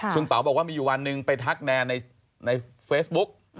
ซึ่งเป๋าบอกว่ามีอยู่วันหนึ่งไปทักแนนในเฟซบุ๊ก